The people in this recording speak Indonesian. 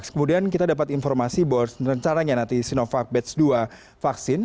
kemudian kita dapat informasi bahwa rencananya nanti sinovac batch dua vaksin